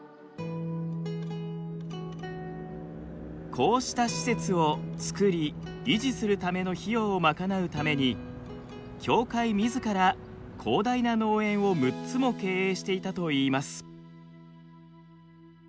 こうした施設を造り維持するための費用を賄うために教会みずから広大な農園を６つも経営していたといいます。